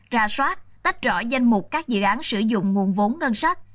ra soát tách rõ danh mục các dự án sử dụng nguồn vốn ngân sách